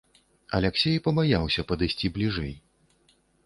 Аляксей пабаяўся падысці бліжэй.